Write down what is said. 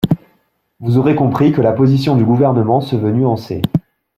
Vous aurez compris que la position du Gouvernement se veut nuancée.